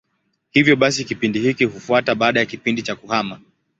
Hivyo basi kipindi hiki hufuata baada ya kipindi cha kuhama.